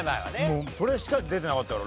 もうそれしか出てなかったから。